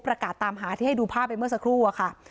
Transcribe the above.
ประกาศตามหาที่ให้ดูภาพไปเมื่อสักครู่อะค่ะ